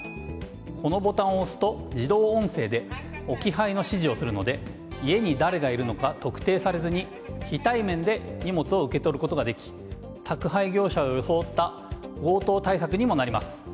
このボタンを押すと自動音声で置き配の指示をするので家に誰がいるのか特定されずに、非対面で荷物を受け取ることができ宅配業者を装った強盗対策にもなります。